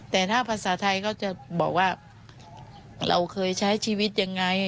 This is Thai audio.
แต่ถ้าภาษาไทยเขาจะบอกว่าเราเคยใช้ชีวิตยังไง